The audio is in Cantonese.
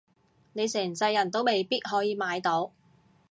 你成世人都未必可以買到